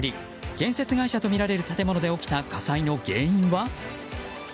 建設会社とみられる現場で起きた火災の原因は？